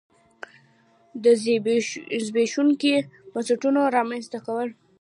د زبېښونکو بنسټونو رامنځته کول.